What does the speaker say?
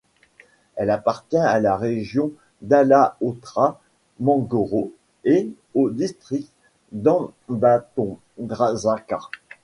Elle appartient à la région d'Alaotra Mangoro, et au district d'Ambatondrazaka.